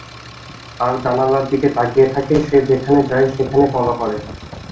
তার জানালার দিকে তাকিয়ে থাকে, সে যেখানে যায় সেখানে ফলো করে।